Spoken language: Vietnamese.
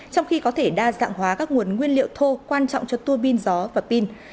trong khi có thể đa dạng hóa các nguồn nguyên liệu thô quan trọng cho tua pin gió và pin